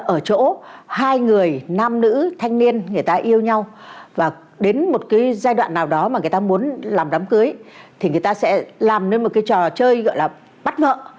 ở chỗ hai người nam nữ thanh niên người ta yêu nhau và đến một cái giai đoạn nào đó mà người ta muốn làm đám cưới thì người ta sẽ làm nên một cái trò chơi gọi là bắt ngợ